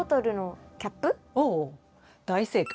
おお大正解。